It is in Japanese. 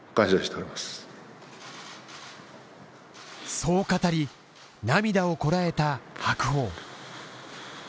そう語り、涙をこらえた白鵬。